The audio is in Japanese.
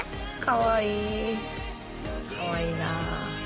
かわいいなあ。